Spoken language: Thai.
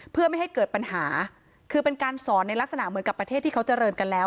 เพื่อไม่ให้เกิดปัญหาคือเป็นการสอนในลักษณะเหมือนกับประเทศที่เขาเจริญกันแล้ว